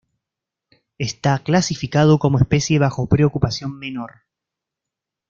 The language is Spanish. Está clasificado como especie bajo preocupación menor.